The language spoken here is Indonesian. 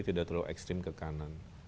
tidak terlalu ekstrim ke kanan